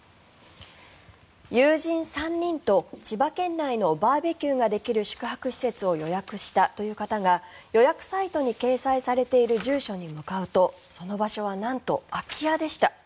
友人３人と千葉県内のバーベキューができる宿泊施設を予約したという方が予約サイトに掲載されている住所に向かうとその場所はなんと空き家でした。